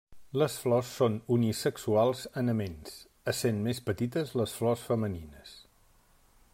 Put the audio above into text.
Les flors són unisexuals en aments, essent més petites les flors femenines.